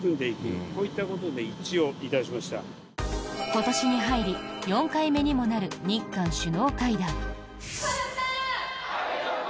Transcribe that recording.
今年に入り４回目にもなる日韓首脳会談。